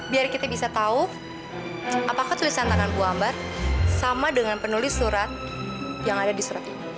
biar kita bisa tahu apakah tulisan tangan ibu ambar sama dengan penulis surat yang ada di surat ini